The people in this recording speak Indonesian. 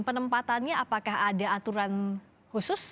penempatannya apakah ada aturan khusus